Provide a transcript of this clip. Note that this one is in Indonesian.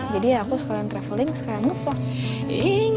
jadi ya aku sekarang traveling sekarang nge vlog